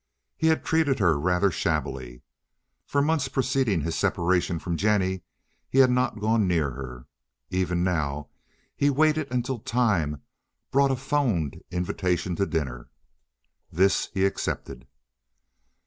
He had treated her rather shabbily. For months preceding his separation from Jennie he had not gone near her. Even now he waited until time brought a 'phoned invitation to dinner. This he accepted.